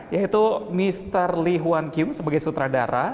yaitu mr lee hwan kim sebagai sutradara